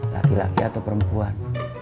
laki laki atau perempuan